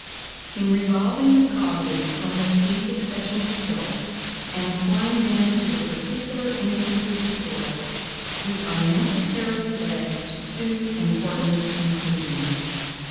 In revolving the causes from which these exceptions result, and applying them to the particular instances before us, we are necessarily led to two important conclusions.